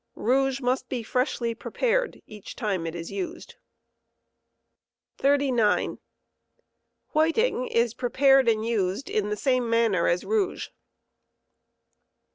Rouge must be freshly prepared each time it is used, whiting. 39. Whiting is prepared and used in the same manner as rouge.